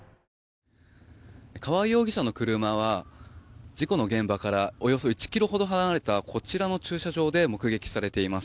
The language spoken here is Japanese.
川合容疑者の車は事故の現場からおよそ１ｋｍほど離れたこちらの駐車場で目撃されています。